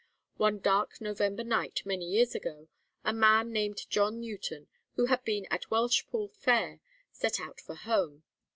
One dark November night, many years ago, a man named John Newton, who had been at Welshpool fair, set out for home.